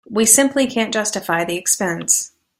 We simply can't justify the expense.